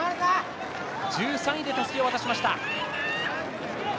１３位でたすきを渡しました。